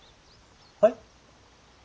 はい？